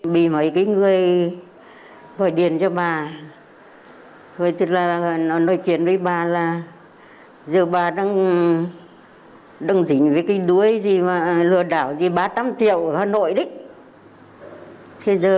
bị mấy người gọi tiền cho bà nói chuyện với bà là giờ bà đang đứng dính với kinh đuối lừa đảo thì bán tám triệu ở hà nội đấy